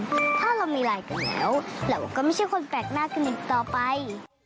ถ้าเรามีไลน์กันแล้วเราก็ไม่ใช่คนแปลกหน้ากันอีกต่อไป